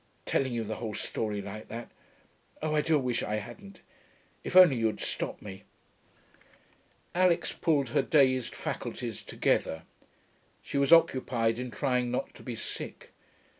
telling you the whole story like that.... Oh, I do wish I hadn't. If only you'd stopped me.' Alix pulled her dazed faculties together. She was occupied in trying not to be sick.